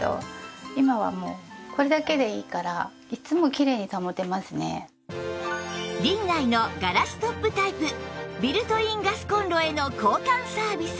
さらにリンナイのガラストップタイプビルトインガスコンロへの交換サービス